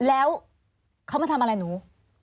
แล้วเขามาทำอะไรหนู